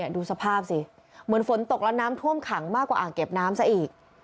ดูสภาพสิเหมือนฝนตกแล้วน้ำท่วมขังมากกว่าอ่างเก็บน้ำซะอีก